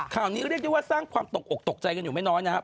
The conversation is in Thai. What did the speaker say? ข่าวนี้เรียกได้ว่าสร้างความตกอกตกใจกันอยู่ไม่น้อยนะครับ